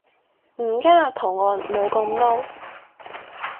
唔加圖案冇咁嬲